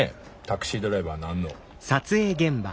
タクシードライバーなんの。